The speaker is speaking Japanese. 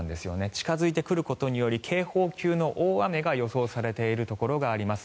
近付いてくることにより警報級の大雨が予想されているところがあります。